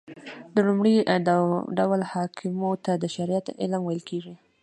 د لومړي ډول احکامو ته د شريعت علم ويل کېږي .